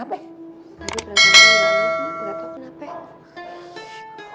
tadi perasaan gue mak gak tau kenapa